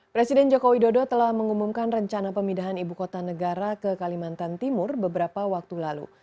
presiden jokowi dodo telah mengumumkan rencana pemindahan ibu kota negara ke kalimantan timur beberapa waktu lalu